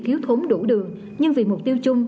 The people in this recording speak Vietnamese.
thiếu thốn đủ đường nhưng vì mục tiêu chung